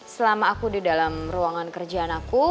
selama aku di dalam ruangan kerjaan aku